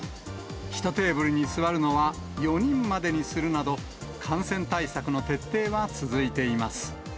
１テーブルに座るのは４人までにするなど、感染対策の徹底は続いています。